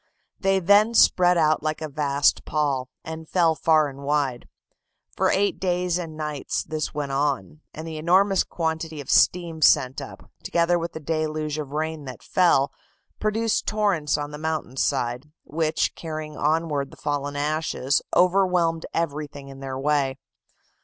They then spread out like a vast pall, and fell far and wide. For eight days and nights this went on, and the enormous quantity of steam sent up, together with the deluge of rain that fell, produced torrents on the mountain side, which, carrying onward the fallen ashes, overwhelmed everything in their way.